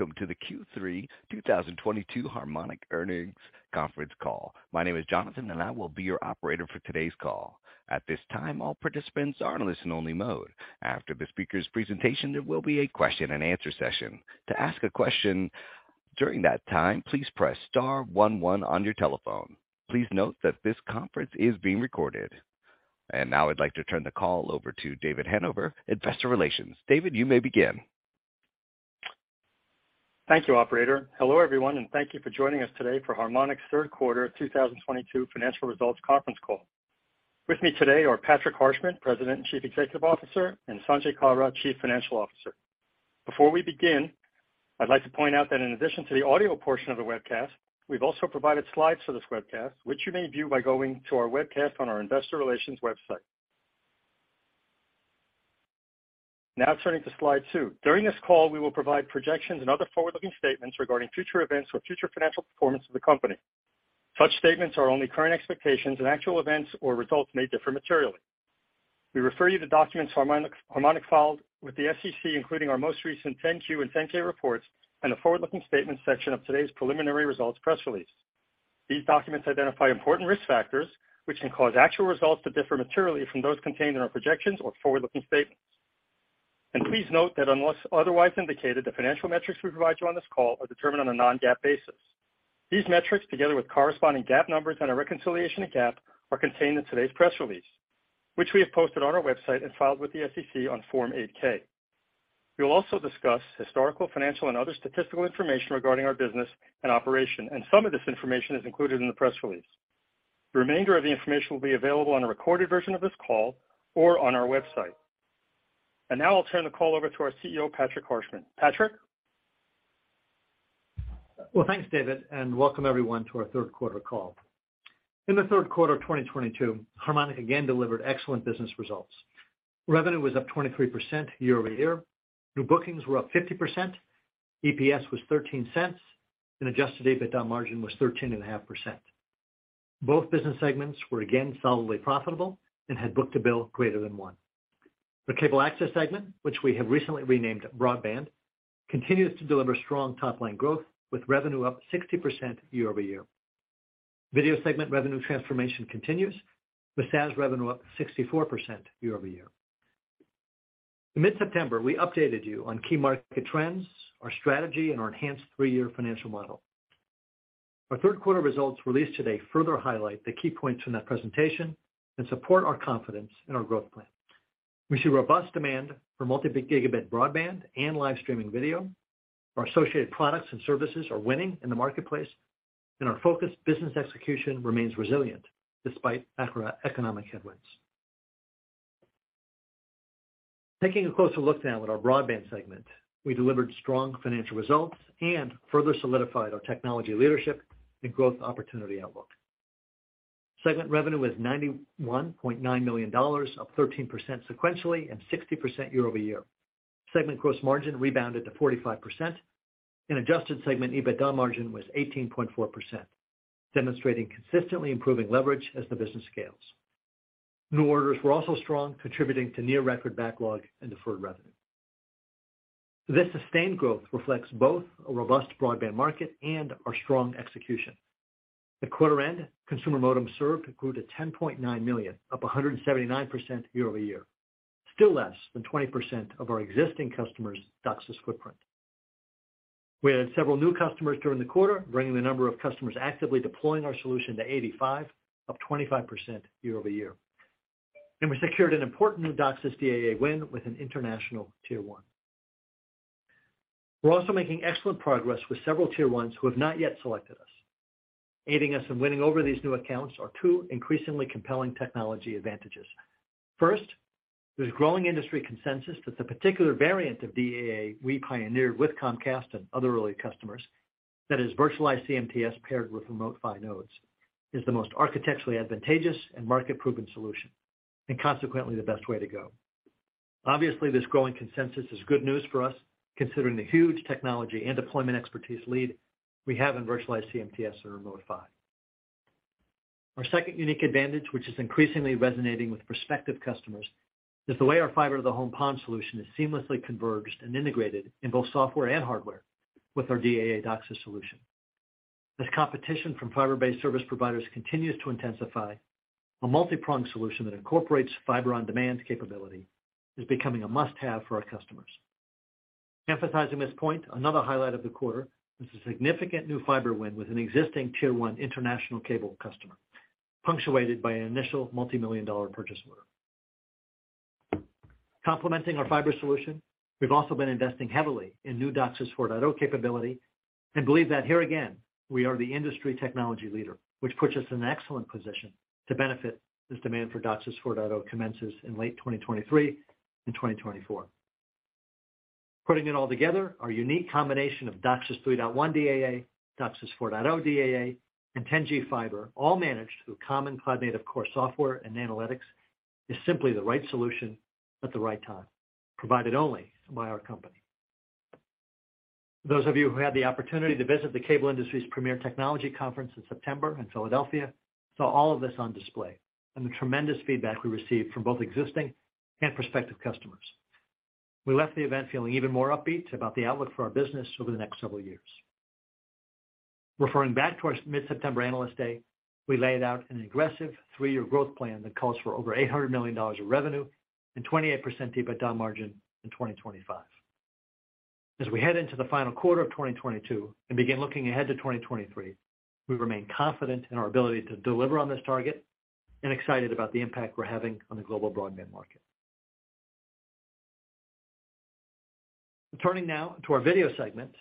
Welcome to the Q3 2022 Harmonic Earnings Conference Call. My name is Jonathan, and I will be your operator for today's call. At this time, all participants are in listen only mode. After the speaker's presentation, there will be a question and answer session. To ask a question during that time, please press star one one on your telephone. Please note that this conference is being recorded. Now I'd like to turn the call over to David Hanover, Investor Relations. David, you may begin. Thank you, operator. Hello, everyone, and thank you for joining us today for Harmonic's Q3 of 2022 financial results conference call. With me today are Patrick Harshman, President and Chief Executive Officer, and Sanjay Kalra, Chief Financial Officer. Before we begin, I'd like to point out that in addition to the audio portion of the webcast, we've also provided slides for this webcast, which you may view by going to our webcast on our investor relations website. Now turning to slide two. During this call, we will provide projections and other forward-looking statements regarding future events or future financial performance of the company. Such statements are only current expectations and actual events or results may differ materially. We refer you to documents Harmonic filed with the SEC, including our most recent 10-Q and 10-K reports and the forward-looking statements section of today's preliminary results press release. These documents identify important risk factors which can cause actual results to differ materially from those contained in our projections or forward-looking statements. Please note that unless otherwise indicated, the financial metrics we provide you on this call are determined on a non-GAAP basis. These metrics, together with corresponding GAAP numbers and a reconciliation to GAAP, are contained in today's press release, which we have posted on our website and filed with the SEC on Form 8-K. We will also discuss historical, financial, and other statistical information regarding our business and operation, and some of this information is included in the press release. The remainder of the information will be available on a recorded version of this call or on our website. Now I'll turn the call over to our CEO, Patrick Harshman. Patrick. Well, thanks, David, and welcome everyone to our Q3 call. In the Q3 of 2022, Harmonic again delivered excellent business results. Revenue was up 23% year-over-year. New bookings were up 50%. EPS was $0.13. Adjusted EBITDA margin was 13.5%. Both business segments were again solidly profitable and had book-to-bill greater than one. The cable access segment, which we have recently renamed Broadband, continues to deliver strong top-line growth with revenue up 60% year-over-year. Video segment revenue transformation continues, with SaaS revenue up 64% year-over-year. Mid-September, we updated you on key market trends, our strategy, and our enhanced three-year financial model. Our Q3 results released today further highlight the key points from that presentation and support our confidence in our growth plan. We see robust demand for multi-gigabit broadband and live streaming video. Our associated products and services are winning in the marketplace, and our focused business execution remains resilient despite macro-economic headwinds. Taking a closer look now at our broadband segment. We delivered strong financial results and further solidified our technology leadership and growth opportunity outlook. Segment revenue was $91.9 million, up 13% sequentially and 60% year-over-year. Segment gross margin rebounded to 45% and adjusted segment EBITDA margin was 18.4%, demonstrating consistently improving leverage as the business scales. New orders were also strong, contributing to near record backlog and deferred revenue. This sustained growth reflects both a robust broadband market and our strong execution. At quarter end, consumer modems served grew to 10.9 million, up 179% year-over-year. Still less than 20% of our existing customers DOCSIS footprint. We had several new customers during the quarter, bringing the number of customers actively deploying our solution to 85, up 25% year-over-year. We secured an important DOCSIS DAA win with an international tier one. We're also making excellent progress with several tier ones who have not yet selected us. Aiding us in winning over these new accounts are two increasingly compelling technology advantages. First, there's growing industry consensus that the particular variant of DAA we pioneered with Comcast and other early customers that is virtualized CMTS paired with Remote PHY nodes, is the most architecturally advantageous and market proven solution, and consequently, the best way to go. Obviously, this growing consensus is good news for us, considering the huge technology and deployment expertise lead we have in virtualized CMTS or Remote PHY. Our second unique advantage, which is increasingly resonating with prospective customers, is the way our fiber to the home PON solution is seamlessly converged and integrated in both software and hardware with our DAA DOCSIS solution. As competition from fiber-based service providers continues to intensify, a multi-pronged solution that incorporates fiber on-demand capability is becoming a must-have for our customers. Emphasizing this point, another highlight of the quarter was a significant new fiber win with an existing tier one international cable customer, punctuated by an initial multimillion-dollar purchase order. Complementing our fiber solution, we've also been investing heavily in new DOCSIS 4.0 capability and believe that here again, we are the industry technology leader, which puts us in an excellent position to benefit as demand for DOCSIS 4.0 commences in late 2023 and 2024. Putting it all together, our unique combination of DOCSIS 3.1 DAA, DOCSIS 4.0 DAA, and 10G fiber, all managed through common cloud-native core software and analytics, is simply the right solution at the right time, provided only by our company. Those of you who had the opportunity to visit the cable industry's premier technology conference in September in Philadelphia saw all of this on display. The tremendous feedback we received from both existing and prospective customers. We left the event feeling even more upbeat about the outlook for our business over the next several years. Referring back to our mid-September Analyst Day, we laid out an aggressive three-year growth plan that calls for over $800 million of revenue and 28% EBITDA margin in 2025. As we head into the final quarter of 2022 and begin looking ahead to 2023, we remain confident in our ability to deliver on this target and excited about the impact we're having on the global broadband market. Turning now to our video segment.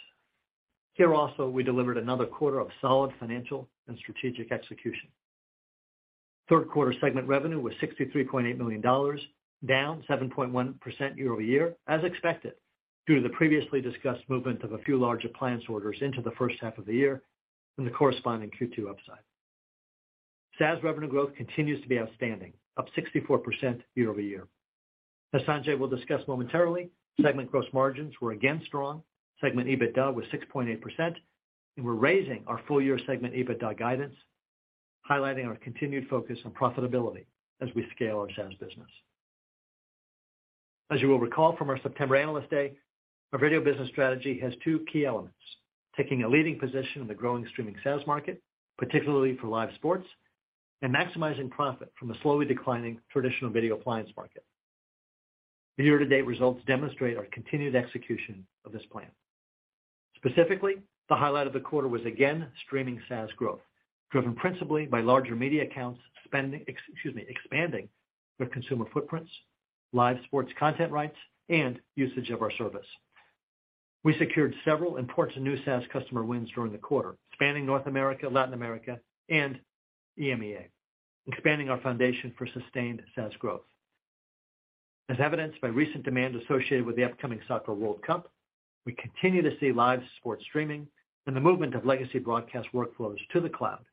Here also, we delivered another quarter of solid financial and strategic execution. Q3 segment revenue was $63.8 million, down 7.1% year-over-year, as expected, due to the previously discussed movement of a few larger appliances orders into the H1 of the year and the corresponding Q2 upside. SaaS revenue growth continues to be outstanding, up 64% year-over-year. As Sanjay will discuss momentarily, segment gross margins were again strong. Segment EBITDA was 6.8%, and we're raising our full-year segment EBITDA guidance, highlighting our continued focus on profitability as we scale our SaaS business. As you will recall from our September Analyst Day, our video business strategy has two key elements, taking a leading position in the growing streaming SaaS market, particularly for live sports, and maximizing profit from a slowly declining traditional video appliance market. The year-to-date results demonstrate our continued execution of this plan. Specifically, the highlight of the quarter was again streaming SaaS growth, driven principally by larger media accounts expanding their consumer footprints, live sports content rights, and usage of our service. We secured several important new SaaS customer wins during the quarter, spanning North America, Latin America, and EMEA, expanding our foundation for sustained SaaS growth. As evidenced by recent demands associated with the upcoming Soccer World Cup, we continue to see live sports streaming and the movement of legacy broadcast workflows to the cloud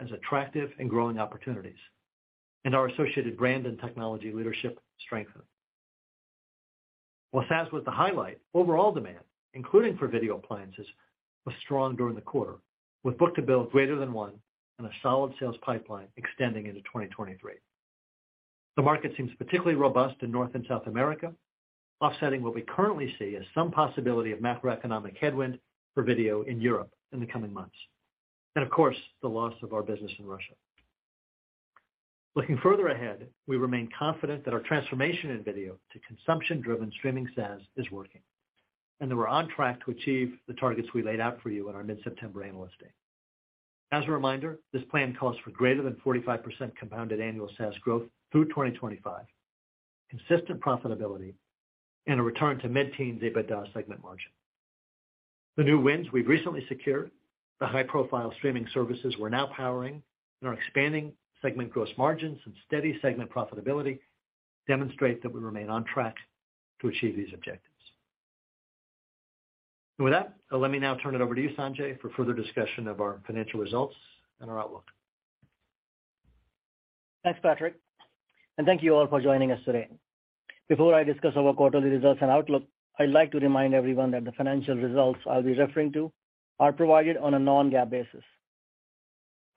as attractive and growing opportunities, and our associated brand and technology leadership strengthened. While SaaS was the highlight, overall demand, including for video appliances, was strong during the quarter, with book-to-bill greater than one and a solid sales pipeline extending into 2023. The market seems particularly robust in North and South America, offsetting what we currently see as some possibility of macroeconomic headwind for video in Europe in the coming months. Of course, the loss of our business in Russia. Looking further ahead, we remain confident that our transformation in video to consumption-driven streaming SaaS is working, and that we're on track to achieve the targets we laid out for you on our mid-September Analyst Day. As a reminder, this plan calls for greater than 45% compounded annual SaaS growth through 2025, consistent profitability, and a return to mid-teen EBITDA segment margin. The new wins we've recently secured, the high-profile streaming services we're now powering, and our expanding segment gross margins and steady segment profitability demonstrate that we remain on track to achieve these objectives. With that, let me now turn it over to you, Sanjay, for further discussion of our financial results and our outlook. Thanks, Patrick, and thank you all for joining us today. Before I discuss our quarterly results and outlook, I'd like to remind everyone that the financial results I'll be referring to are provided on a non-GAAP basis.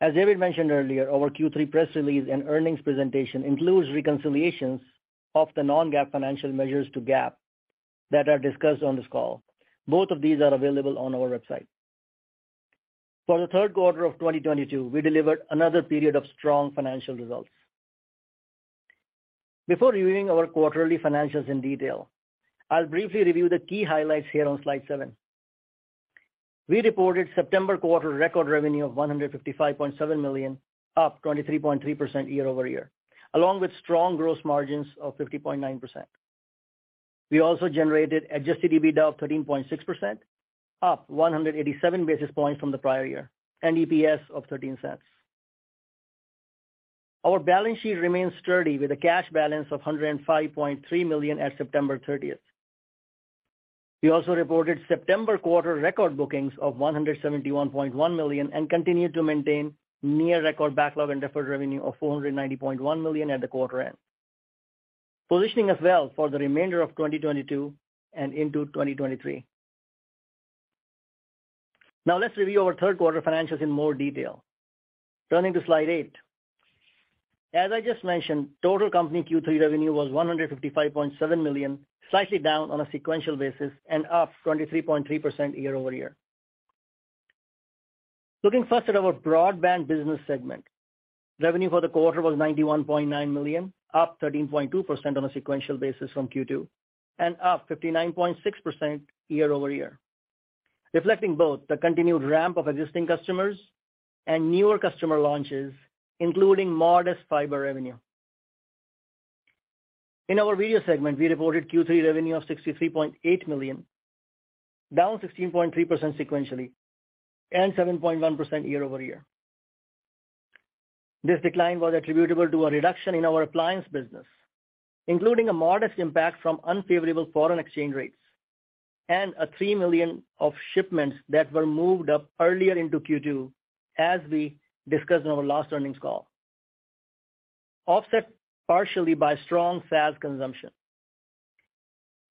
As David mentioned earlier, our Q3 press release and earnings presentation includes reconciliations of the non-GAAP financial measures to GAAP that are discussed on this call. Both of these are available on our website. For the Q3 of 2022, we delivered another period of strong financial results. Before reviewing our quarterly financials in detail, I'll briefly review the key highlights here on slide seven. We reported September quarter record revenue of $155.7 million, up 23.3% year-over-year, along with strong gross margins of 50.9%. We generated adjusted EBITDA of 13.6%, up 187 basis points from the prior year, and EPS of $0.13. Our balance sheet remains sturdy with a cash balance of $105.3 million at September 30. We reported September quarter record bookings of $171.1 million and continued to maintain near record backlog and deferred revenue of $490.1 million at the quarter end, positioning us well for the remainder of 2022 and into 2023. Now let's review our Q3 financials in more detail. Turning to slide eight. As I just mentioned, total company Q3 revenue was $155.7 million, slightly down on a sequential basis and up 23.3% year-over-year. Looking first at our broadband business segment. Revenue for the quarter was $91.9 million, up 13.2% on a sequential basis from Q2 and up 59.6% year-over-year, reflecting both the continued ramp of existing customers and newer customer launches, including modest fiber revenue. In our video segment, we reported Q3 revenue of $63.8 million, down 16.3% sequentially and 7.1% year-over-year. This decline was attributable to a reduction in our appliance business, including a modest impact from unfavorable foreign exchange rates and a $3 million of shipments that were moved up earlier into Q2, as we discussed on our last earnings call. Offset partially by strong SaaS consumption.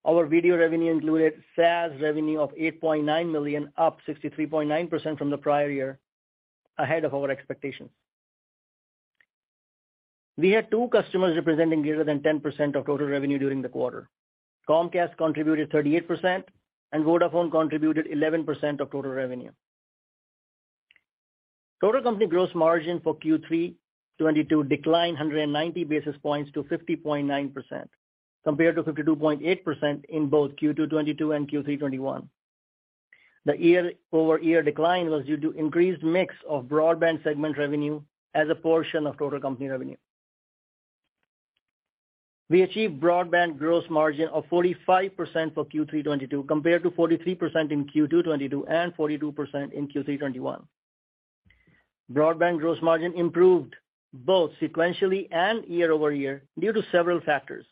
Our video revenue included SaaS revenue of $8.9 million, up 63.9% from the prior year, ahead of our expectations. We had two customers representing greater than 10% of total revenue during the quarter. Comcast contributed 38% and Vodafone contributed 11% of total revenue. Total company gross margin for Q3 2022 declined 190 basis points to 50.9%, compared to 52.8% in both Q2 2022 and Q3 2021. The year-over-year decline was due to increased mix of broadband segment revenue as a portion of total company revenue. We achieved broadband gross margin of 45% for Q3 2022, compared to 43% in Q2 2022 and 42% in Q3 2021. Broadband gross margin improved both sequentially and year-over-year due to several factors,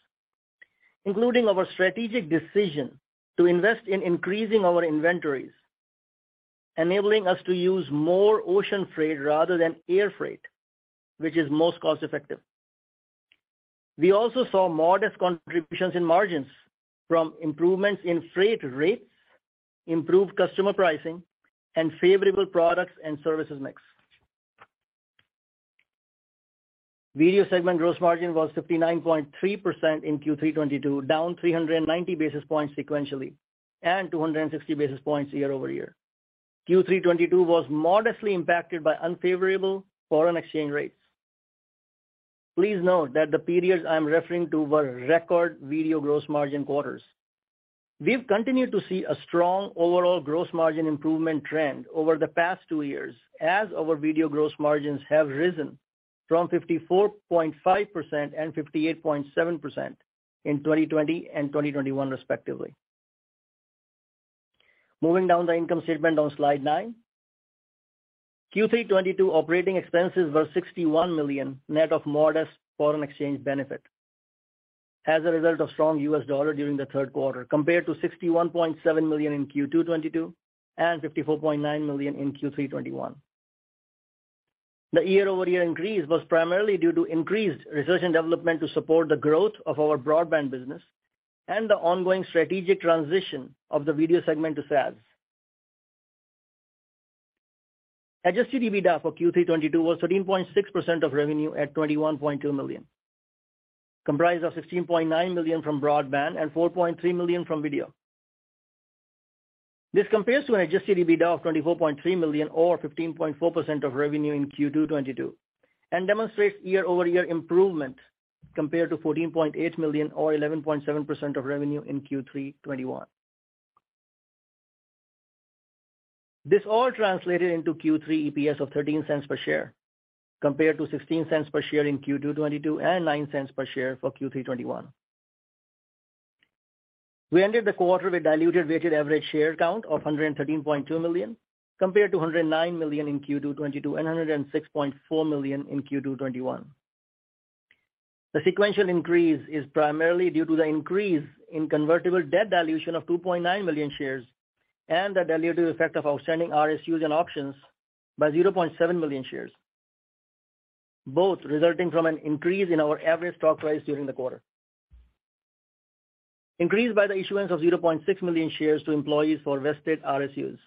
including our strategic decision to invest in increasing our inventories, enabling us to use more ocean freight rather than air freight, which is most cost-effective. We also saw modest contributions in margins from improvements in freight rates, improved customer pricing, and favorable products and services mix. Video segment gross margin was 59.3% in Q3 2022, down 390 basis points sequentially, and 260 basis points year-over-year. Q3 2022 was modestly impacted by unfavorable foreign exchange rates. Please note that the periods I am referring to were record video gross margin quarters. We've continued to see a strong overall gross margin improvement trend over the past two years as our video gross margins have risen from 54.5% and 58.7% in 2020 and 2021 respectively. Moving down the income statement on slide nine. Q3 2022 operating expenses were $61 million, net of modest foreign exchange benefit as a result of strong US dollar during the Q3, compared to $61.7 million in Q2 2022 and $54.9 million in Q3 2021. The year-over-year increase was primarily due to increased research and development to support the growth of our broadband business and the ongoing strategic transition of the video segment to SaaS. Adjusted EBITDA for Q3 2022 was 13.6% of revenue at $21.2 million, comprised of $16.9 million from broadband and $4.3 million from video. This compares to an adjusted EBITDA of $24.3 million or 15.4% of revenue in Q2 2022 and demonstrates year-over-year improvement compared to $14.8 million or 11.7% of revenue in Q3 2021. This all translated into Q3 EPS of $0.13 per share, compared to $0.16 per share in Q2 2022 and $0.09 per share for Q3 2021. We ended the quarter with diluted weighted average share count of 113.2 million, compared to 109 million in Q2 2022 and 106.4 million in Q3 2021. The sequential increase is primarily due to the increase in convertible debt dilution of 2.9 million shares and the dilutive effect of outstanding RSUs and options by 0.7 million shares, both resulting from an increase in our average stock price during the quarter. Increased by the issuance of 0.6 million shares to employees for vested RSUs.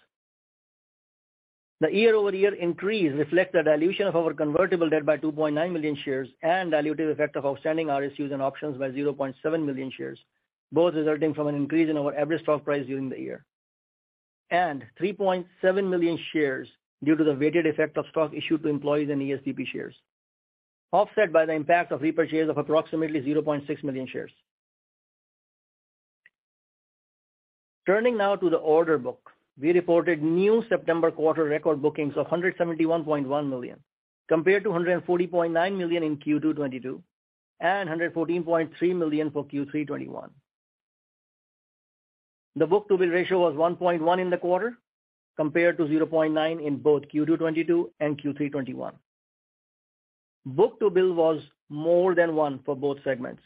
The year-over-year increase reflects the dilution of our convertible debt by 2.9 million shares and dilutive effect of outstanding RSUs and options by 0.7 million shares, both resulting from an increase in our average stock price during the year. Three point seven million shares due to the weighted effect of stock issued to employees and ESP shares, offset by the impact of repurchase of approximately 0.6 million shares. Turning now to the order book. We reported new September quarter record bookings of $171.1 million, compared to $140.9 million in Q2 2022, and $114.3 million for Q3 2021. The book-to-bill ratio was 1.1 in the quarter, compared to 0.9 in both Q2 2022 and Q3 2021. Book-to-bill was more than one for both segments.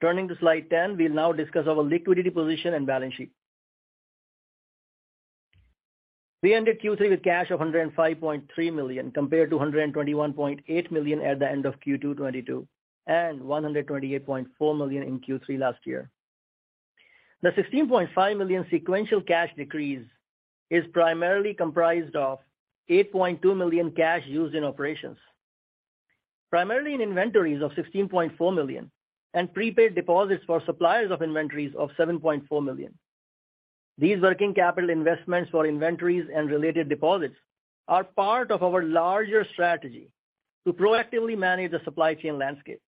Turning to slide 10, we'll now discuss our liquidity position and balance sheet. We ended Q3 with cash of $105.3 million, compared to $121.8 million at the end of Q2 2022, and $128.4 million in Q3 last year. The $16.5 million sequential cash decrease is primarily comprised of $8.2 million cash used in operations, primarily in inventories of $16.4 million and prepaid deposits for suppliers of inventories of $7.4 million. These working capital investments for inventories and related deposits are part of our larger strategy to proactively manage the supply chain landscape,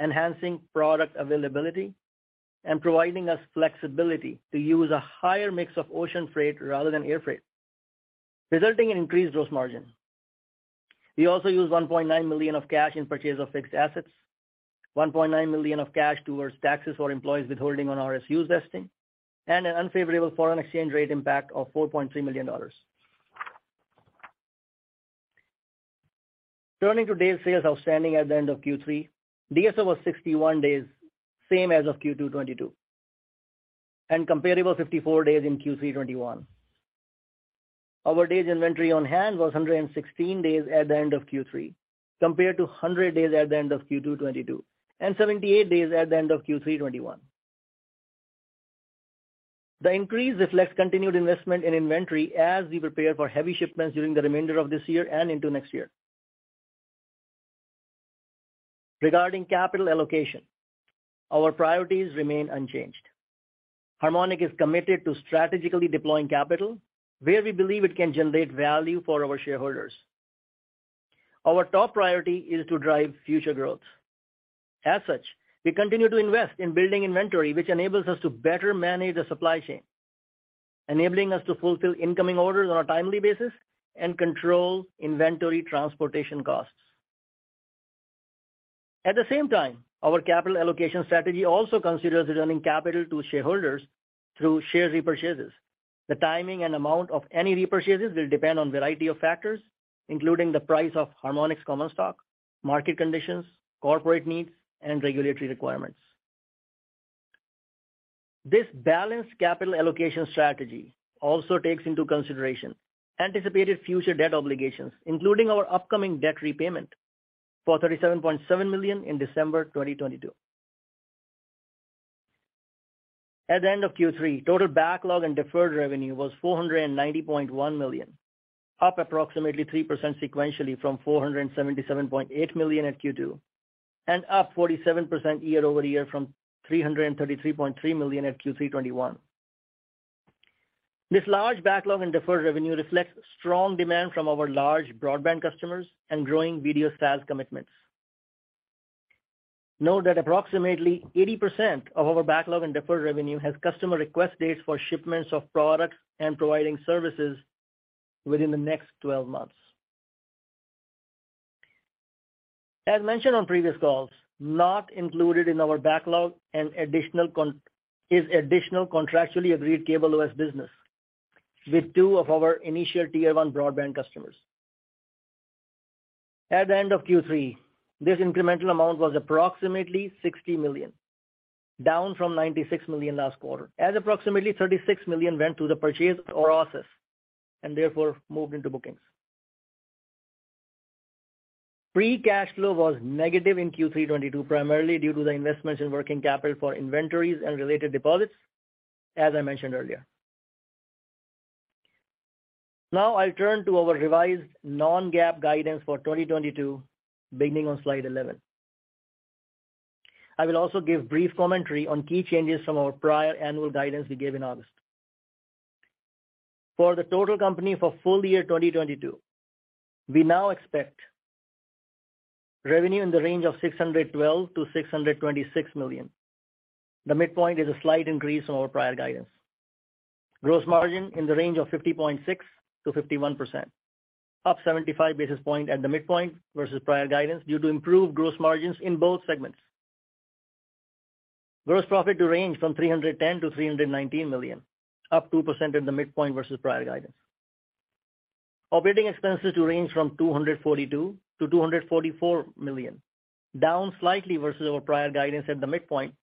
enhancing product availability and providing us flexibility to use a higher mix of ocean freight rather than air freight, resulting in increased gross margin. We also used $1.9 million of cash in purchase of fixed assets, $1.9 million of cash towards taxes for employees withholding on RSU vesting, and an unfavorable foreign exchange rate impact of $4.3 million. Turning to days sales outstanding at the end of Q3. DSO was 61 days, same as of Q2 2022, and comparable 54 days in Q3 2021. Our days inventory on hand was 116 days at the end of Q3, compared to 100 days at the end of Q2 2022, and 78 days at the end of Q3 2021. The increase reflects continued investment in inventory as we prepare for heavy shipments during the remainder of this year and into next year. Regarding capital allocation, our priorities remain unchanged. Harmonic is committed to strategically deploying capital where we believe it can generate value for our shareholders. Our top priority is to drive future growth. As such, we continue to invest in building inventory, which enables us to better manage the supply chain, enabling us to fulfill incoming orders on a timely basis and control inventory transportation costs. At the same time, our capital allocation strategy also considers returning capital to shareholders through share repurchases. The timing and amount of any repurchases will depend on a variety of factors, including the price of Harmonic's common stock, market conditions, corporate needs, and regulatory requirements. This balanced capital allocation strategy also takes into consideration anticipated future debt obligations, including our upcoming debt repayment for $37.7 million in December 2022. At the end of Q3, total backlog and deferred revenue was $490.1 million, up approximately 3% sequentially from $477.8 million at Q2, and up 47% year-over-year from $333.3 million at Q3 2021. This large backlog and deferred revenue reflects strong demand from our large broadband customers and growing video SaaS commitments. Note that approximately 80% of our backlog and deferred revenue has customer request dates for shipments of products and providing services within the next 12 months. As mentioned on previous calls, not included in our backlog is additional contractually agreed CableOS business with two of our initial tier one broadband customers. At the end of Q3, this incremental amount was approximately $60 million, down from $96 million last quarter, as approximately $36 million went through the purchase of RSUs, and therefore moved into bookings. Free cash flow was negative in Q3 2022, primarily due to the investments in working capital for inventories and related deposits, as I mentioned earlier. Now I'll turn to our revised non-GAAP guidance for 2022, beginning on slide 11. I will also give brief commentary on key changes from our prior annual guidance we gave in August. For the total company for full year 2022, we now expect revenue in the range of $612 million-626 million. The midpoint is a slight increase from our prior guidance. Gross margin in the range of 50.6%-51%, up 75 basis points at the midpoint versus prior guidance due to improved gross margins in both segments. Gross profit to range from $310 million-319 million, up 2% at the midpoint versus prior guidance. Operating expenses to range from $242 million-244 million, down slightly versus our prior guidance at the midpoint,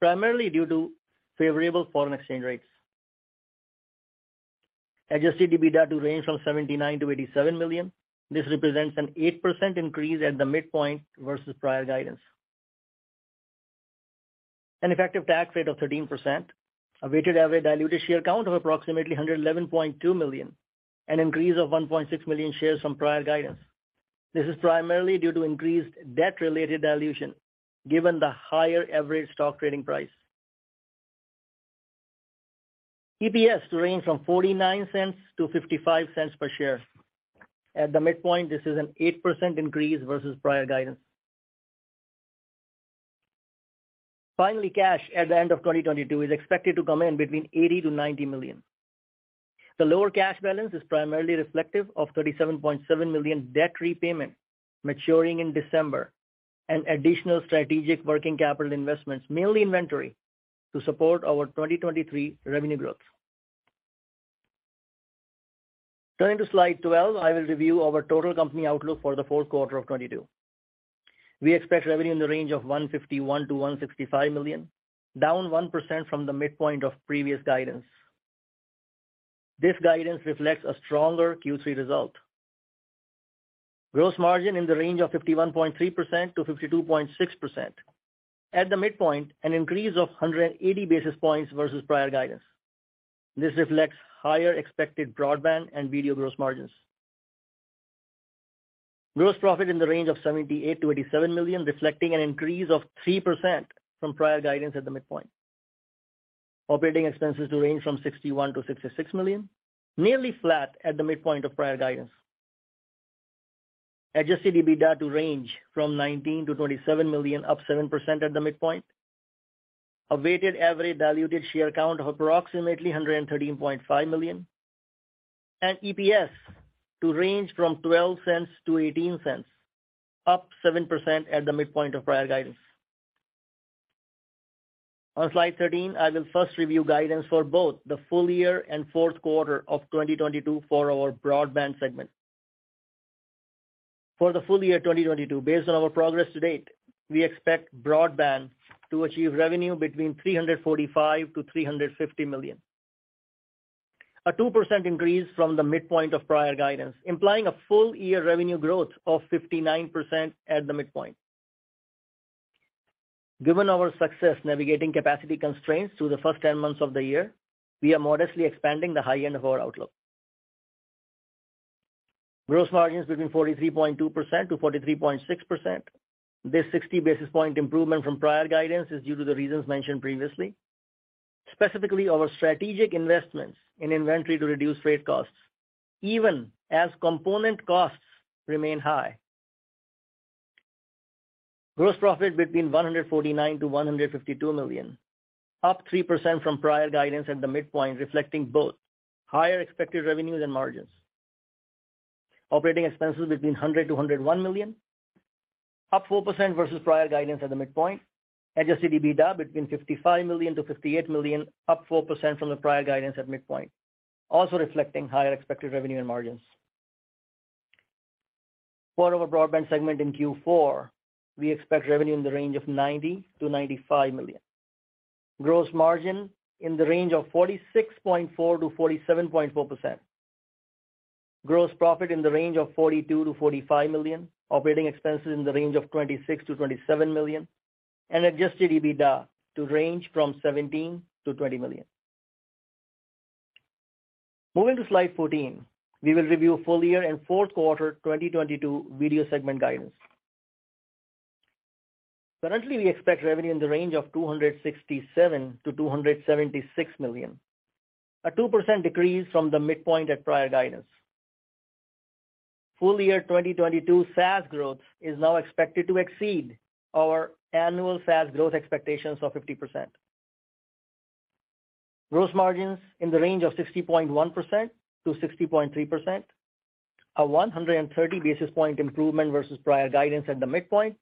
primarily due to favorable foreign exchange rates. Adjusted EBITDA to range from $79 million-87 million. This represents an 8% increase at the midpoint versus prior guidance. An effective tax rate of 13%. A weighted average diluted share count of approximately 111.2 million, an increase of 1.6 million shares from prior guidance. This is primarily due to increased debt-related dilution, given the higher average stock trading price. EPS to range from $0.49 to $0.55 per share. At the midpoint, this is an 8% increase versus prior guidance. Finally, cash at the end of 2022 is expected to come in between $80-$90 million. The lower cash balance is primarily reflective of $37.7 million debt repayment maturing in December and additional strategic working capital investments, mainly inventory, to support our 2023 revenue growth. Turning to slide 12, I will review our total company outlook for the Q4 of 2022. We expect revenue in the range of $151-$165 million, down 1% from the midpoint of previous guidance. This guidance reflects a stronger Q3 result. Gross margin in the range of 51.3%-52.6%. At the midpoint, an increase of 180 basis points versus prior guidance. This reflects higher expected broadband and video gross margins. Gross profit in the range of $78 million-$87 million, reflecting an increase of 3% from prior guidance at the midpoint. Operating expenses to range from $61 million-$66 million, nearly flat at the midpoint of prior guidance. Adjusted EBITDA to range from $19 million-$27 million, up 7% at the midpoint. A weighted average diluted share count of approximately 113.5 million. EPS to range from $0.12-$0.18, up 7% at the midpoint of prior guidance. On slide 13, I will first review guidance for both the full year and Q4 of 2022 for our Broadband segment. For the full year 2022, based on our progress to date, we expect Broadband to achieve revenue between $345 million-$350 million. A 2% increase from the midpoint of prior guidance, implying a full-year revenue growth of 59% at the midpoint. Given our success navigating capacity constraints through the first 10 months of the year, we are modestly expanding the high end of our outlook. Gross margins between 43.2%-43.6%. This 60 basis point improvement from prior guidance is due to the reasons mentioned previously, specifically our strategic investments in inventory to reduce freight costs, even as component costs remain high. Gross profit between $149 million-$152 million, up 3% from prior guidance at the midpoint, reflecting both higher expected revenues and margins. Operating expenses between $100 million-$101 million, up 4% versus prior guidance at the midpoint. Adjusted EBITDA $55 million-$58 million, up 4% from the prior guidance at midpoint, also reflecting higher expected revenue and margins. For our broadband segment in Q4, we expect revenue in the range of $90 million-$95 million. Gross margin in the range of 46.4%-47.4%. Gross profit in the range of $42 million-$45 million. Operating expenses in the range of $26 million-$27 million. Adjusted EBITDA to range from $17 million-$20 million. Moving to slide 14, we will review full year and Q4 2022 video segment guidance. Currently, we expect revenue in the range of $267-$276 million, a 2% decrease from the midpoint at prior guidance. Full year 2022 SaaS growth is now expected to exceed our annual SaaS growth expectations of 50%. Gross margins in the range of 60.1%-60.3%, a 130 basis point improvement versus prior guidance at the midpoint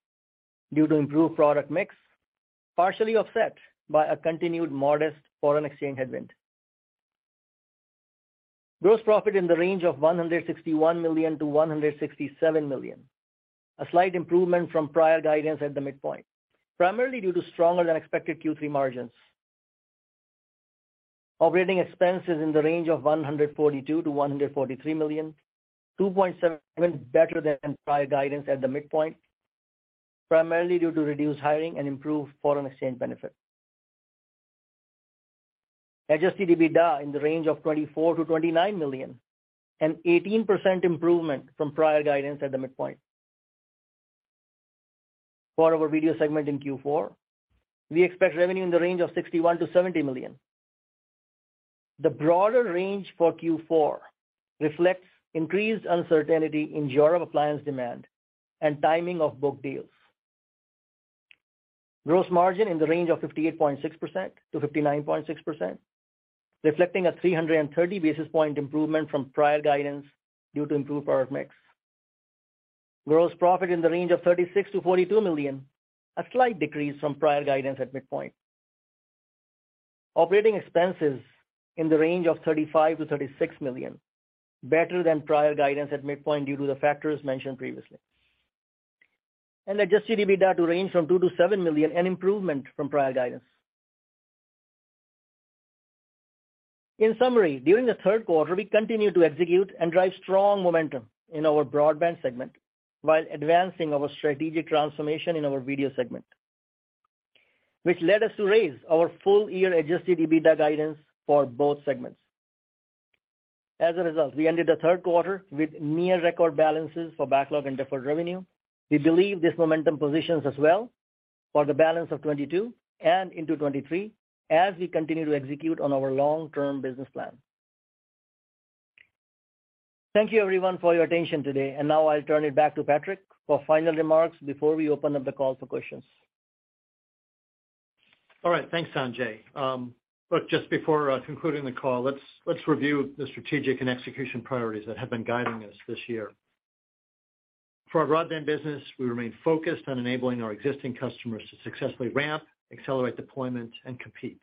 due to improved product mix, partially offset by a continued modest foreign exchange headwind. Gross profit in the range of $161-$167 million, a slight improvement from prior guidance at the midpoint, primarily due to stronger than expected Q3 margins. Operating expenses in the range of $142-$143 million, 2.7% better than prior guidance at the midpoint, primarily due to reduced hiring and improved foreign exchange benefit. Adjusted EBITDA in the range of $24-$29 million, an 18% improvement from prior guidance at the midpoint. For our video segment in Q4, we expect revenue in the range of $61-$70 million. The broader range for Q4 reflects increased uncertainty in general appliance demand and timing of booked deals. Gross margin in the range of 58.6%-59.6%, reflecting a 330 basis point improvement from prior guidance due to improved product mix. Gross profit in the range of $36-$42 million, a slight decrease from prior guidance at midpoint. Operating expenses in the range of $35-$36 million, better than prior guidance at midpoint due to the factors mentioned previously. Adjusted EBITDA to range from $2-$7 million, an improvement from prior guidance. In summary, during the Q3, we continued to execute and drive strong momentum in our broadband segment while advancing our strategic transformation in our video segment, which led us to raise our full year adjusted EBITDA guidance for both segments. As a result, we ended the Q3 with near record balances for backlog and deferred revenue. We believe this momentum positions us well for the balance of 2022 and into 2023 as we continue to execute on our long-term business plan. Thank you everyone for your attention today. Now I'll turn it back to Patrick for final remarks before we open up the call for questions. All right. Thanks, Sanjay. Just before concluding the call, let's review the strategic and execution priorities that have been guiding us this year. For our broadband business, we remain focused on enabling our existing customers to successfully ramp, accelerate deployment and compete.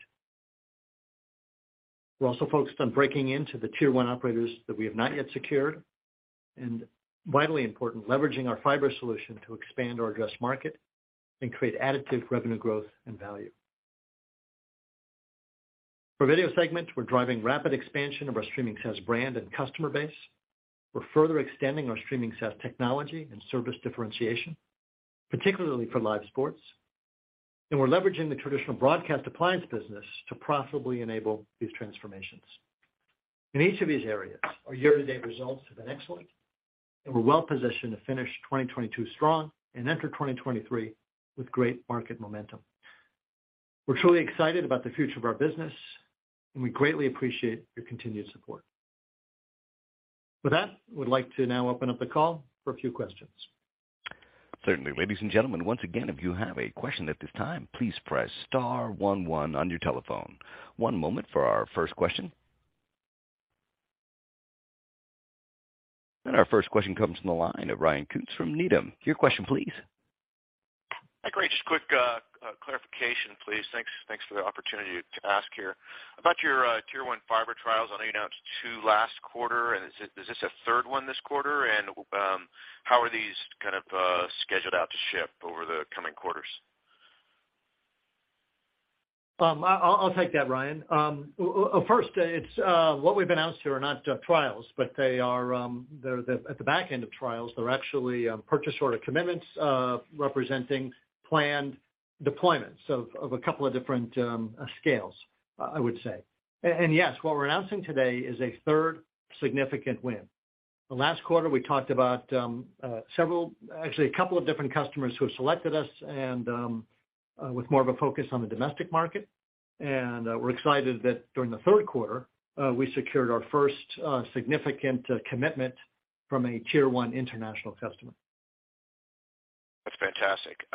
We're also focused on breaking into the tier one operators that we have not yet secured, and vitally important, leveraging our fiber solution to expand our address market and create additive revenue growth and value. For video segment, we're driving rapid expansion of our streaming SaaS brand and customer base. We're further extending our streaming SaaS technology and service differentiation, particularly for live sports. We're leveraging the traditional broadcast appliance business to profitably enable these transformations. In each of these areas, our year-to-date results have been excellent, and we're well positioned to finish 2022 strong and enter 2023 with great market momentum. We're truly excited about the future of our business, and we greatly appreciate your continued support. With that, we'd like to now open up the call for a few questions. Certainly. Ladies and gentlemen, once again, if you have a question at this time, please press star one one on your telephone. One moment for our first question. Our first question comes from the line of Ryan Koontz from Needham. Your question please. Next question please. Thanks for the opportunity to ask here. About your tier one fiber trials, I know you announced 2 last quarter, and is this a third one this quarter? How are these kind of scheduled out to ship over the coming quarters? I'll take that, Ryan. First, it's what we've announced here are not trials, but they are at the back end of trials. They're actually purchase order commitments representing planned deployments of a couple of different scales, I would say. Yes, what we're announcing today is a third significant win. Last quarter, we talked about several, actually a couple of different customers who have selected us and with more of a focus on the domestic market. We're excited that during the Q3, we secured our first significant commitment from a tier one international customer. That's fantastic.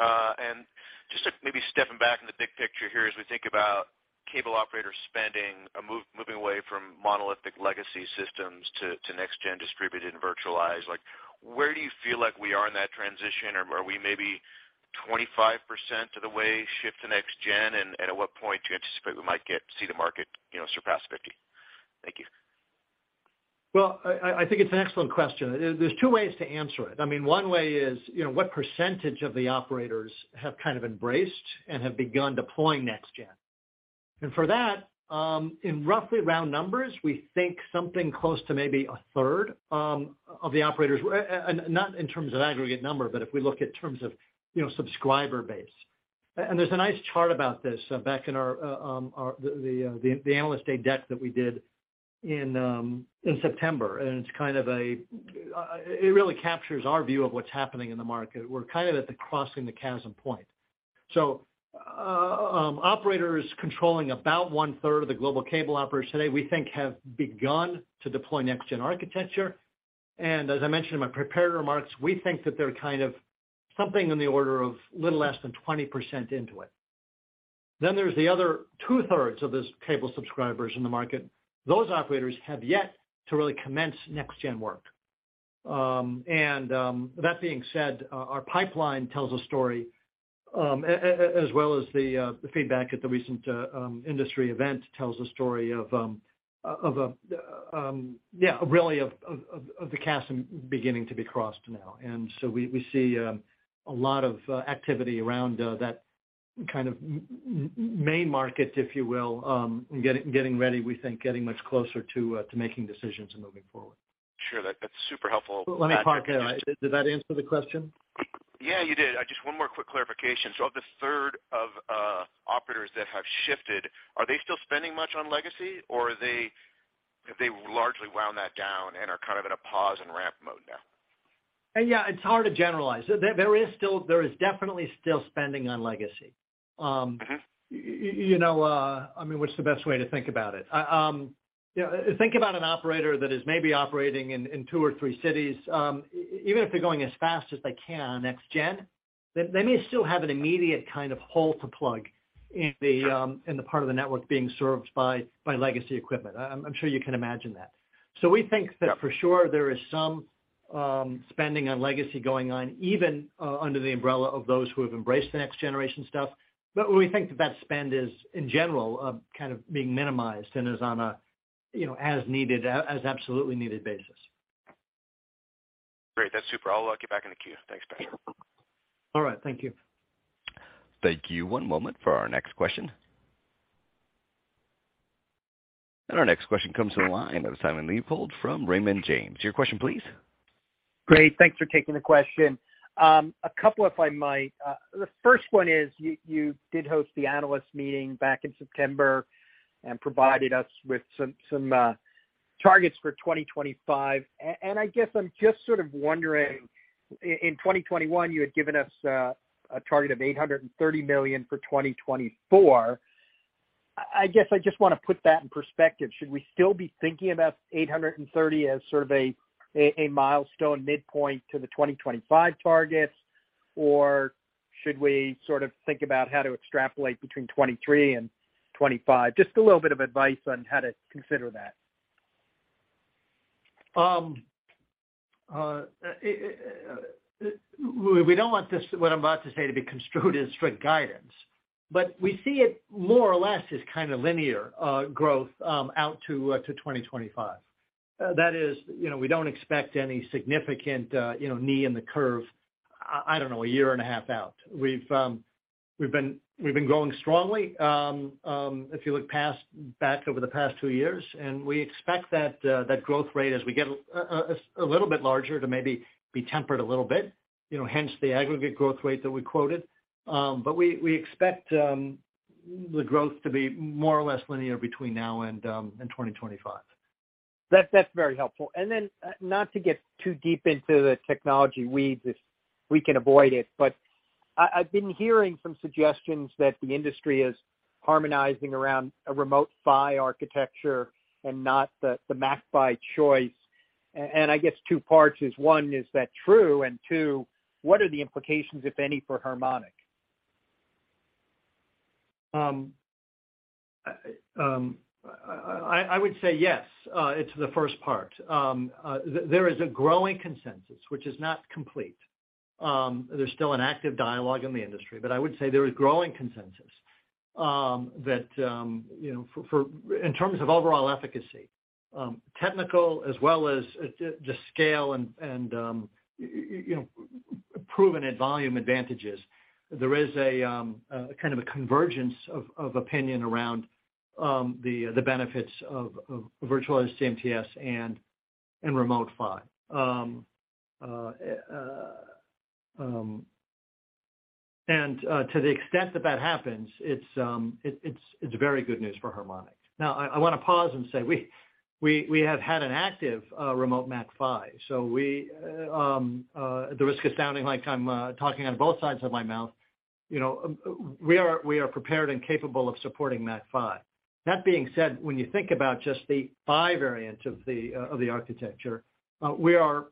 Just to maybe stepping back in the big picture here, as we think about cable operators spending, moving away from monolithic legacy systems to next gen distributed and virtualized, like, where do you feel like we are in that transition? Are we maybe 25% of the way shift to next gen? And at what point do you anticipate we might get to see the market, you know, surpass 50%? Thank you. Well, I think it's an excellent question. There's two ways to answer it. I mean, one way is, you know, what percentage of the operators have kind of embraced and have begun deploying next gen. For that, in roughly round numbers, we think something close to maybe a third of the operators. Not in terms of aggregate number, but if we look in terms of, you know, subscriber base. There's a nice chart about this back in our analyst day deck that we did in September. It's kind of. It really captures our view of what's happening in the market. We're kind of at the crossing the chasm point. Operators controlling about 1/3 of the global cable operators today, we think have begun to deploy next-gen architecture. As I mentioned in my prepared remarks, we think that they're kind of something in the order of a little less than 20% into it. There's the other 2/3 of this cable subscribers in the market. Those operators have yet to really commence next-gen work. That being said, our pipeline tells a story as well as the feedback at the recent industry event tells a story of really the chasm beginning to be crossed now. We see a lot of activity around that kind of main market, if you will, getting ready, we think getting much closer to making decisions and moving forward. Sure. That's super helpful. Let me park there. Did that answer the question? Yeah, you did. Just one more quick clarification. Of this third of operators that have shifted, are they still spending much on legacy or have they largely wound that down and are kind of in a pause and ramp mode now? Yeah, it's hard to generalize. There is definitely still spending on legacy. Mm-hmm. You know, I mean, what's the best way to think about it? You know, think about an operator that is maybe operating in two or three cities. Even if they're going as fast as they can on next gen, they may still have an immediate kind of hole to plug in the part of the network being served by legacy equipment. I'm sure you can imagine that. We think that for sure there is some spending on legacy going on, even under the umbrella of those who have embraced the next generation stuff. We think that spend is, in general, kind of being minimized and is on a, you know, as needed, as absolutely needed basis. Great. That's super. I'll lock you back in the queue. Thanks, Pat. All right. Thank you. Thank you. One moment for our next question. Our next question comes to the line of Simon Leopold from Raymond James. Your question, please. Great. Thanks for taking the question. A couple, if I might. The first one is, you did host the analyst meeting back in September and provided us with some targets for 2025. And I guess I'm just sort of wondering, in 2021, you had given us a target of $830 million for 2024. I guess I just want to put that in perspective. Should we still be thinking about $830 as sort of a milestone midpoint to the 2025 targets? Or should we sort of think about how to extrapolate between 2023 and 2025? Just a little bit of advice on how to consider that. We don't want this, what I'm about to say to be construed as strict guidance, but we see it more or less as kind of linear growth out to 2025. That is, you know, we don't expect any significant, you know, knee in the curve. I don't know, a year and a half out. We've been growing strongly if you look back over the past two years, and we expect that growth rate as we get a little bit larger to maybe be tempered a little bit, you know, hence the aggregate growth rate that we quoted. We expect the growth to be more or less linear between now and 2025. That's very helpful. Then not to get too deep into the technology weeds if we can avoid it, but I've been hearing some suggestions that the industry is harmonizing around a Remote PHY architecture and not the MACPHY choice. I guess two parts is, one, is that true? Two, what are the implications, if any, for Harmonic? I would say yes to the first part. There is a growing consensus which is not complete. There's still an active dialogue in the industry, but I would say there is growing consensus that, you know, in terms of overall efficacy, technical as well as just scale and, you know, proven at volume advantages. There is a kind of a convergence of opinion around the benefits of virtualized CMTS and Remote PHY. To the extent that that happens, it's very good news for Harmonic. Now, I wanna pause and say we have had an active Remote MACPHY. We, at the risk of sounding like I'm talking out of both sides of my mouth, you know, we are prepared and capable of supporting MACPHY. That being said, when you think about just the PHY variant of the architecture, we are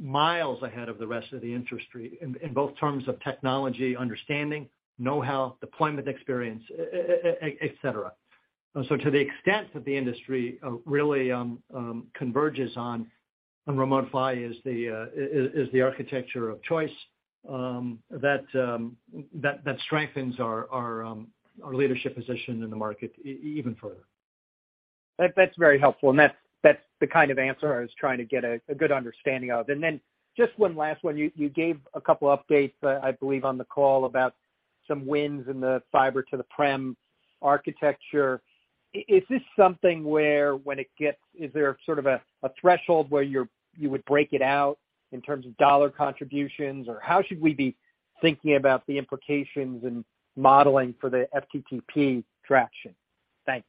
miles ahead of the rest of the industry in both terms of technology, understanding, know-how, deployment experience, et cetera. To the extent that the industry really converges on Remote PHY as the architecture of choice, that strengthens our leadership position in the market even further. That's very helpful. That's the kind of answer I was trying to get a good understanding of. Then just one last one. You gave a couple updates, I believe on the call about some wins in the fiber-to-the-premises architecture. Is there sort of a threshold where you would break it out in terms of dollar contributions? Or how should we be thinking about the implications and modeling for the FTTP traction? Thanks.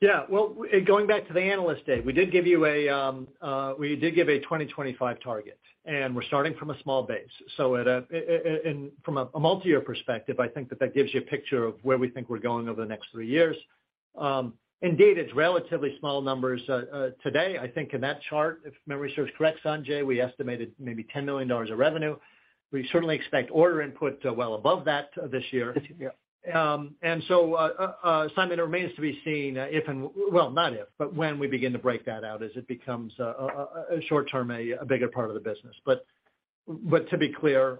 Yeah. Well, going back to the Analyst Day, we did give you a 2025 target, and we're starting from a small base. From a multi-year perspective, I think that gives you a picture of where we think we're going over the next three years. Indeed, it's relatively small numbers. Today I think in that chart, if memory serves me correctly, Sanjay, we estimated maybe $10 million of revenue. We certainly expect order input well above that this year. This year. Simon, it remains to be seen if. Well, not if, but when we begin to break that out as it becomes a short term, a bigger part of the business. To be clear,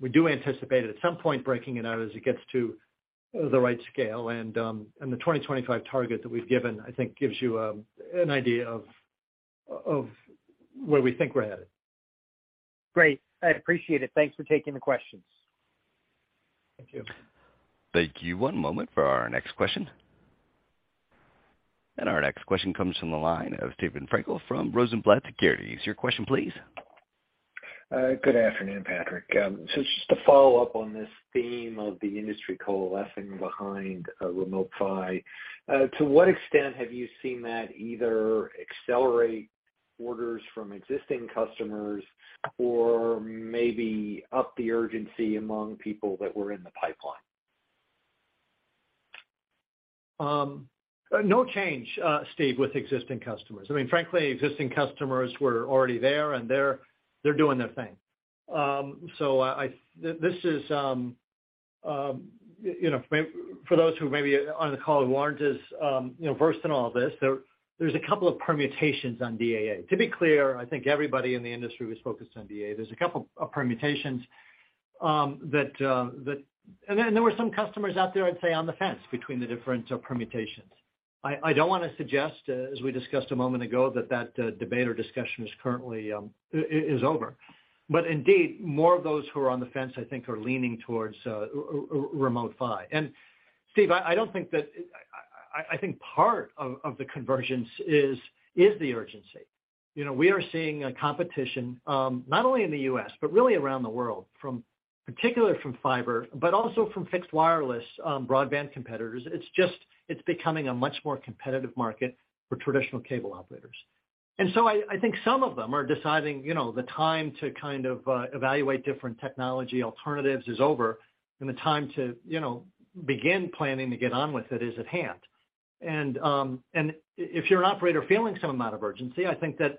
we do anticipate it at some point breaking it out as it gets to the right scale. The 2025 target that we've given, I think gives you an idea of where we think we're headed. Great. I appreciate it. Thanks for taking the questions. Thank you. Thank you. One moment for our next question. Our next question comes from the line of Steven Frankel from Rosenblatt Securities. Your question please. Good afternoon, Patrick. Just to follow up on this theme of the industry coalescing behind remote PHY. To what extent have you seen that either accelerate orders from existing customers or maybe up the urgency among people that were in the pipeline? No change, Steve, with existing customers. I mean, frankly, existing customers were already there, and they're doing their thing. You know, for those who may be on the call who aren't as, you know, versed in all this, there's a couple of permutations on DAA. To be clear, I think everybody in the industry is focused on DAA. There's a couple of permutations that. Then there were some customers out there, I'd say, on the fence between the different permutations. I don't wanna suggest, as we discussed a moment ago, that debate or discussion is currently over. But indeed, more of those who are on the fence, I think, are leaning towards remote PHY. Steve, I don't think that. I think part of the convergence is the urgency. You know, we are seeing competition not only in the U.S., but really around the world, particularly from fiber, but also from fixed wireless broadband competitors. It's just becoming a much more competitive market for traditional cable operators. I think some of them are deciding, you know, the time to kind of evaluate different technology alternatives is over and the time to, you know, begin planning to get on with it is at hand. If you're an operator feeling some amount of urgency, I think that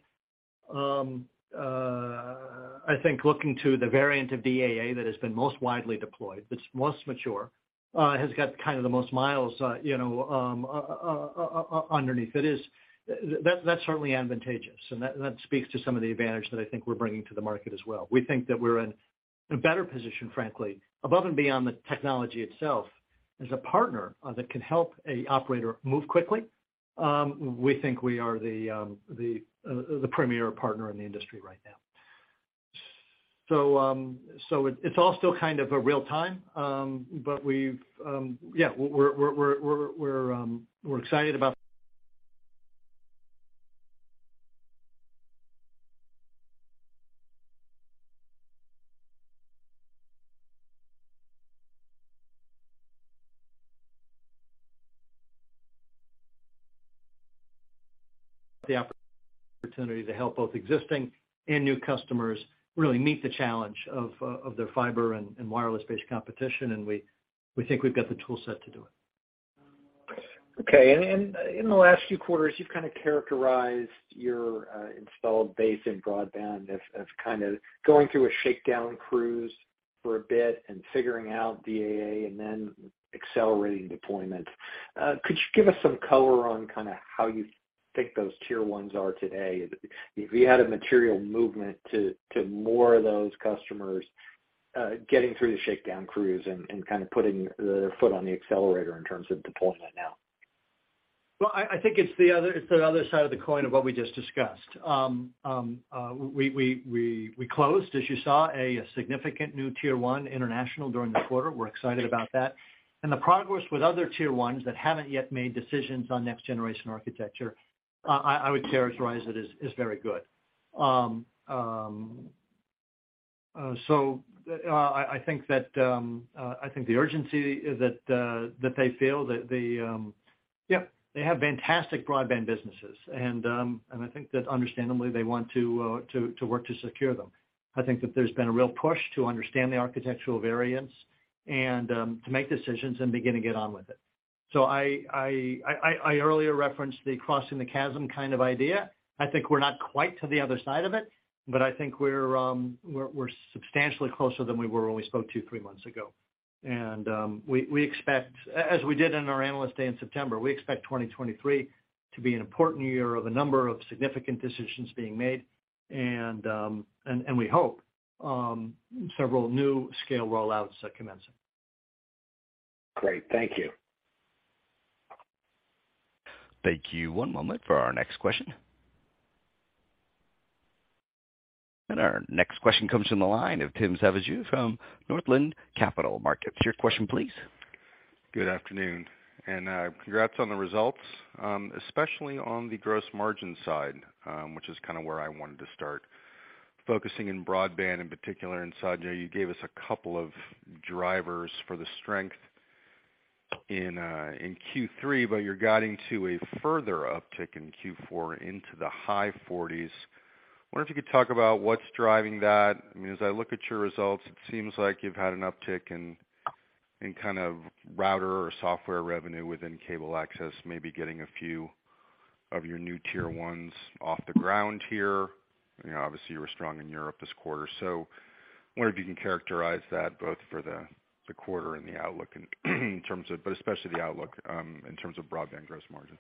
looking to the variant of DAA that has been most widely deployed, that's most mature, has got kind of the most miles underneath it. That's certainly advantageous. That speaks to some of the advantage that I think we're bringing to the market as well. We think that we're in a better position, frankly, above and beyond the technology itself, as a partner that can help an operator move quickly. We think we are the premier partner in the industry right now. It's all still kind of real-time. We've excited about the opportunity to help both existing and new customers really meet the challenge of their fiber and wireless-based competition, and we think we've got the tool set to do it. Okay. In the last few quarters, you've kind of characterized your installed base in broadband as kind of going through a shakedown cruise for a bit and figuring out DAA and then accelerating deployment. Could you give us some color on kind of how you think those tier ones are today? If you had a material movement to more of those customers getting through the shakedown cruise and kind of putting their foot on the accelerator in terms of deployment now. Well, I think it's the other side of the coin of what we just discussed. We closed, as you saw, a significant new tier one international during the quarter. We're excited about that. The progress with other tier ones that haven't yet made decisions on next generation architecture, I would characterize it as very good. I think the urgency that they feel that they have fantastic broadband businesses. I think that understandably, they want to work to secure them. I think that there's been a real push to understand the architectural variance and to make decisions and begin to get on with it. I earlier referenced the crossing the chasm kind of idea. I think we're not quite to the other side of it, but I think we're substantially closer than we were when we spoke two, three months ago. As we did in our Analyst Day in September, we expect 2023 to be an important year of a number of significant decisions being made. We hope several new scale rollouts commencing. Great. Thank you. Thank you. One moment for our next question. Our next question comes from the line of Tim Savageaux from Northland Capital Markets. Your question, please. Good afternoon, congrats on the results, especially on the gross margin side, which is kind of where I wanted to start. Focusing on broadband in particular, Sanjay, you gave us a couple of drivers for the strength in Q3, but you're guiding to a further uptick in Q4 into the high 40s%. Wonder if you could talk about what's driving that. I mean, as I look at your results, it seems like you've had an uptick in kind of router or software revenue within cable access, maybe getting a few of your new tier ones off the ground here. You know, obviously, you were strong in Europe this quarter. I wonder if you can characterize that both for the quarter and the outlook in terms of, but especially the outlook, in terms of broadband gross margin.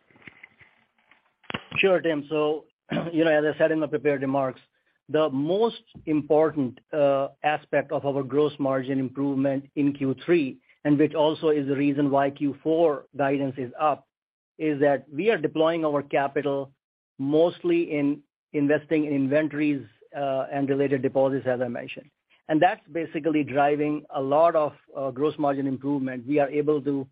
Sure, Tim. You know, as I said in the prepared remarks, the most important aspect of our gross margin improvement in Q3, and which also is the reason why Q4 guidance is up, is that we are deploying our capital mostly in investing in inventories and related deposits, as I mentioned. That's basically driving a lot of gross margin improvement. We are able to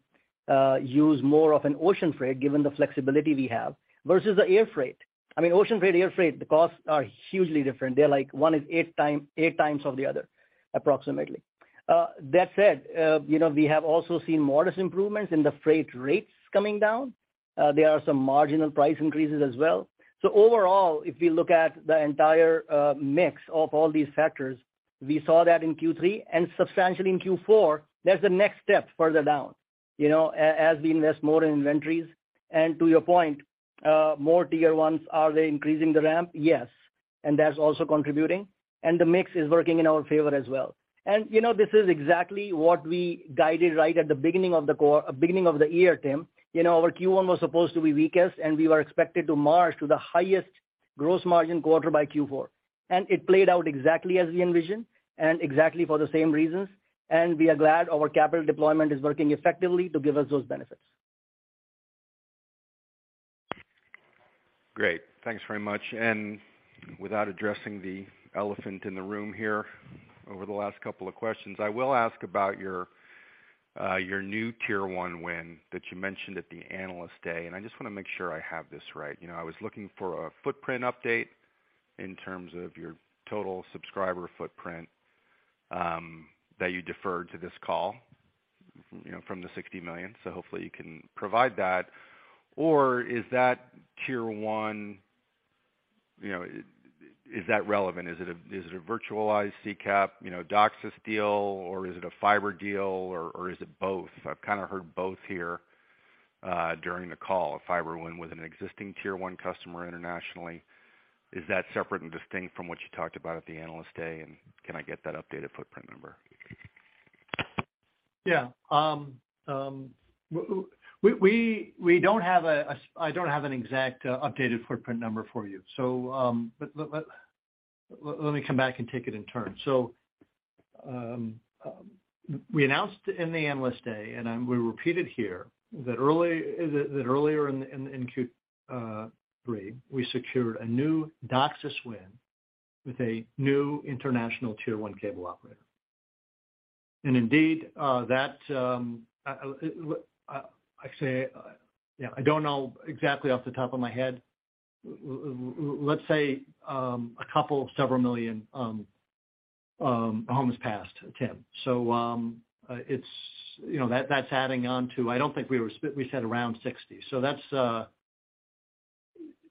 use more of an ocean freight given the flexibility we have versus the air freight. I mean, ocean freight, air freight, the costs are hugely different. They're like one is eight times of the other, approximately. That said, you know, we have also seen modest improvements in the freight rates coming down. There are some marginal price increases as well. Overall, if we look at the entire mix of all these factors, we saw that in Q3 and substantially in Q4. That's the next step further down, you know, as we invest more in inventories. To your point, more tier ones, are they increasing the ramp? Yes. That's also contributing. The mix is working in our favor as well. You know, this is exactly what we guided right at the beginning of the year, Tim. You know, our Q1 was supposed to be weakest, and we were expected to march to the highest gross margin quarter by Q4. It played out exactly as we envisioned and exactly for the same reasons. We are glad our capital deployment is working effectively to give us those benefits. Great. Thanks very much. Without addressing the elephant in the room here over the last couple of questions, I will ask about your new tier one win that you mentioned at the Analyst Day. I just wanna make sure I have this right. You know, I was looking for a footprint update in terms of your total subscriber footprint, that you deferred to this call, you know, from the 60 million. Hopefully you can provide that. Is that tier one, you know, is that relevant? Is it a virtualized CCAP, you know, DOCSIS deal, or is it a fiber deal, or is it both? I've kinda heard both here, during the call, a fiber win with an existing tier one customer internationally. Is that separate and distinct from what you talked about at the Analyst Day? Can I get that updated footprint number? I don't have an exact updated footprint number for you. We announced in the Analyst Day, and we repeated here that earlier in Q3 we secured a new DOCSIS win with a new international tier one cable operator. Indeed, that I'd say I don't know exactly off the top of my head. Let's say a couple, several million homes passed, Tim. It's, you know, that's adding on to—we said around 60. That's,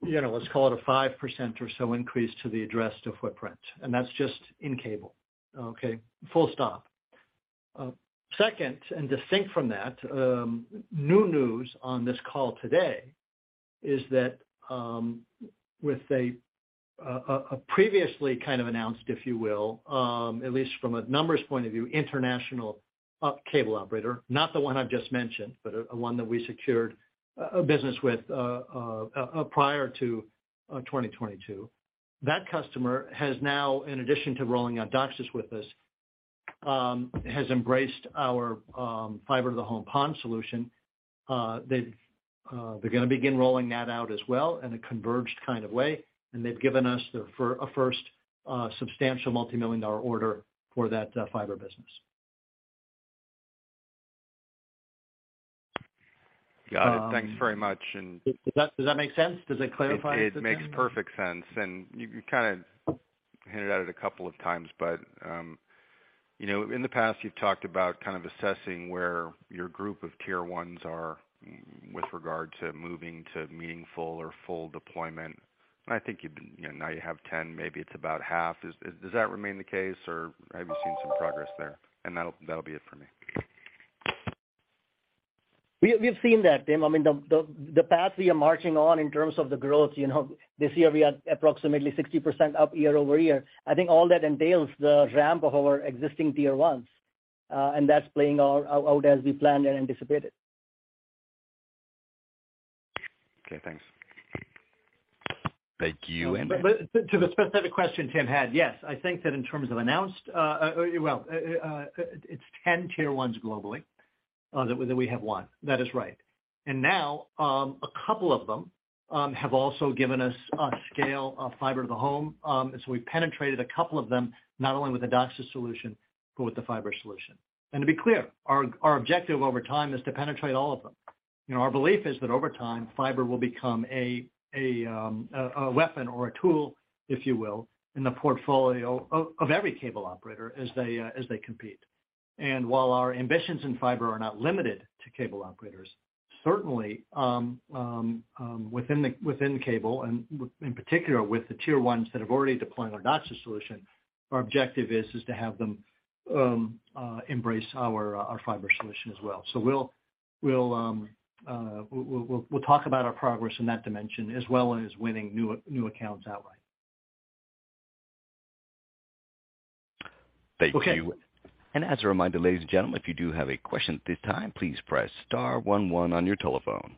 you know, let's call it a 5% or so increase to the addressed footprint, and that's just in cable. Okay. Full stop. Second, distinct from that, new news on this call today is that, with a previously kind of announced, if you will, at least from a numbers point of view, international cable operator, not the one I've just mentioned, but one that we secured a business with prior to 2022. That customer has now, in addition to rolling out DOCSIS with us, has embraced our fiber to the home PON solution. They're gonna begin rolling that out as well in a converged kind of way, and they've given us a first substantial $ multi-million-dollar order for that fiber business. Got it. Thanks very much. Does that make sense? Does that clarify it, Tim? It makes perfect sense. You kind of hinted at it a couple of times, but, you know, in the past, you've talked about kind of assessing where your group of tier ones are with regard to moving to meaningful or full deployment. I think you've, you know, now you have 10, maybe it's about half. Does that remain the case, or have you seen some progress there? That'll be it for me. We've seen that, Tim. I mean, the path we are marching on in terms of the growth, you know, this year we are approximately 60% up year-over-year. I think all that entails the ramp of our existing tier ones, and that's playing out as we planned and anticipated. Okay, thanks. Thank you. To the specific question Tim had, yes, I think that in terms of announced, well, it's 10 tier ones globally, that we have won. That is right. Now, a couple of them have also given us sales of fiber to the home. We penetrated a couple of them, not only with the DOCSIS solution, but with the fiber solution. To be clear, our objective over time is to penetrate all of them. You know, our belief is that over time, fiber will become a weapon or a tool, if you will, in the portfolio of every cable operator as they compete. While our ambitions in fiber are not limited to cable operators, certainly, within cable, and in particular with the tier ones that have already deployed our DOCSIS solution, our objective is to have them embrace our fiber solution as well. We'll talk about our progress in that dimension, as well as winning new accounts outright. Thank you. Okay. As a reminder, ladies and gentlemen, if you do have a question at this time, please press star one one on your telephone.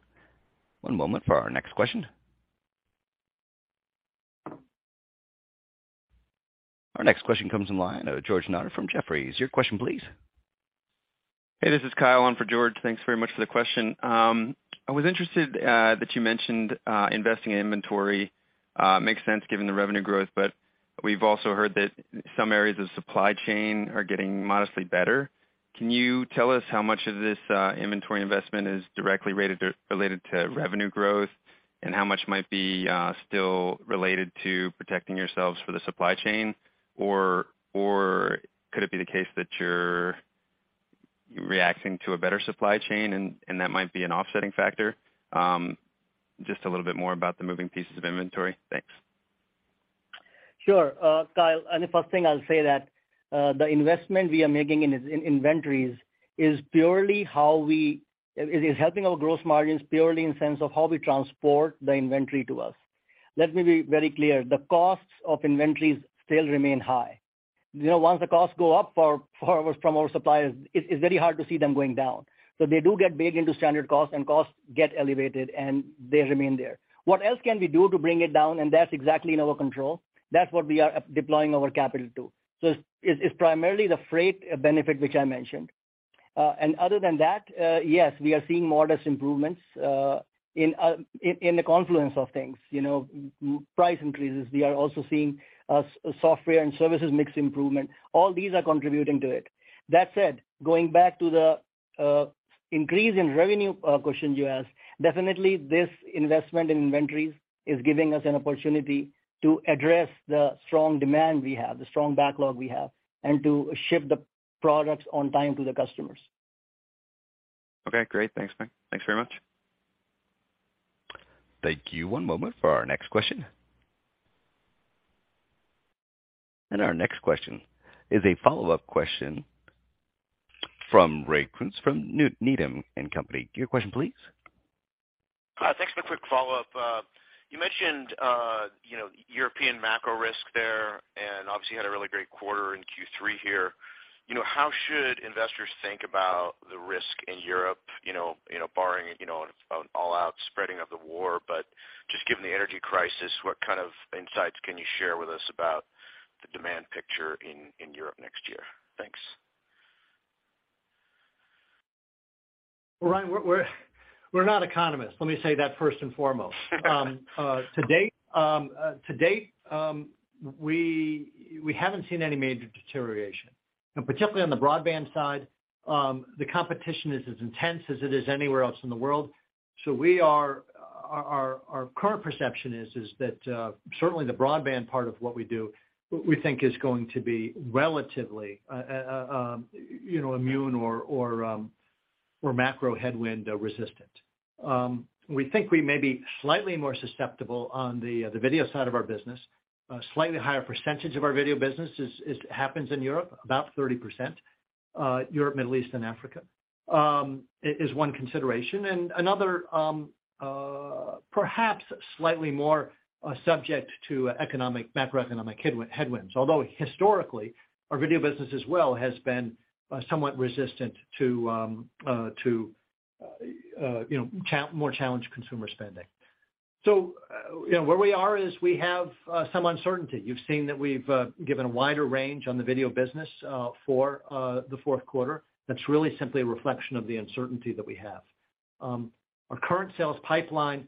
One moment for our next question. Our next question comes in line, George Notter from Jefferies. Your question, please. Hey, this is Kyle on for George. Thanks very much for the question. I was interested that you mentioned investing in inventory makes sense given the revenue growth, but we've also heard that some areas of supply chain are getting modestly better. Can you tell us how much of this inventory investment is directly related to revenue growth, and how much might be still related to protecting yourselves for the supply chain? Or could it be the case that you're reacting to a better supply chain and that might be an offsetting factor? Just a little bit more about the moving pieces of inventory. Thanks. Sure, Kyle. The first thing I'll say is that the investment we are making in inventories is purely it is helping our gross margins purely in the sense of how we transport the inventory to us. Let me be very clear. The costs of inventories still remain high. You know, once the costs go up from our suppliers, it's very hard to see them going down. They do get baked into standard costs and costs get elevated, and they remain there. What else can we do to bring it down? That's exactly in our control. That's what we are deploying our capital to. It's primarily the freight benefit, which I mentioned. And other than that, yes, we are seeing modest improvements in the confluence of things, you know, price increases. We are also seeing a software and services mix improvement. All these are contributing to it. That said, going back to the increase in revenue question you asked, definitely this investment in inventories is giving us an opportunity to address the strong demand we have, the strong backlog we have, and to ship the products on time to the customers. Okay, great. Thanks, Sanjay Kalra. Thanks very much. Thank you. One moment for our next question. Our next question is a follow-up question from Ryan Koontz from Needham & Company. Your question, please. Hi, thanks for a quick follow-up. You mentioned, you know, European macro risk there, and obviously you had a really great quarter in Q3 here. You know, how should investors think about the risk in Europe, you know, barring, you know, an all-out spreading of the war, but just given the energy crisis, what kind of insights can you share with us about the demand picture in Europe next year? Thanks. Ryan, we're not economists. Let me say that first and foremost. To date, we haven't seen any major deterioration. Particularly on the broadband side, the competition is as intense as it is anywhere else in the world. Our current perception is that certainly the broadband part of what we do, we think is going to be relatively, you know, immune or. We're macro headwind resistant. We think we may be slightly more susceptible on the video side of our business. Slightly higher percentage of our video business happens in Europe, about 30%, Europe, Middle East, and Africa, is one consideration. Another, perhaps slightly more subject to macroeconomic headwinds, although historically, our video business as well has been somewhat resistant to, you know, more challenged consumer spending. You know, where we are is we have some uncertainty. You've seen that we've given a wider range on the video business for the Q4. That's really simply a reflection of the uncertainty that we have. Our current sales pipeline,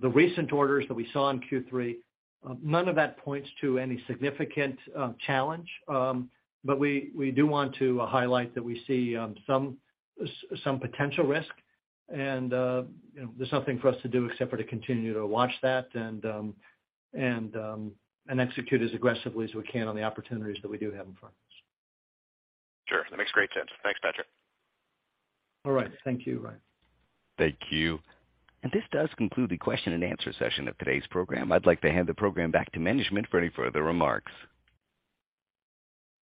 the recent orders that we saw in Q3, none of that points to any significant challenge. We do want to highlight that we see some potential risk and, you know, there's nothing for us to do except for to continue to watch that and execute as aggressively as we can on the opportunities that we do have in front of us. Sure. That makes great sense. Thanks, Patrick. All right. Thank you, Ryan. Thank you. This does conclude the question and answer session of today's program. I'd like to hand the program back to management for any further remarks.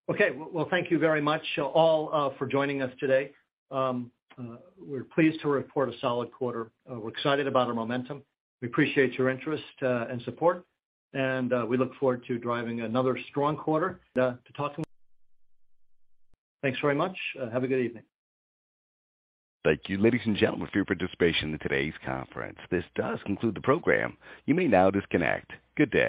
Okay. Well, thank you very much all for joining us today. We're pleased to report a solid quarter. We're excited about our momentum. We appreciate your interest and support, and we look forward to driving another strong quarter and talking. Thanks very much. Have a good evening. Thank you, ladies and gentlemen, for your participation in today's conference. This does conclude the program. You may now disconnect. Good day.